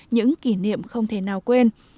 những kỷ niệm không thể nào quên